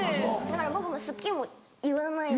僕も「好き」も言わないです。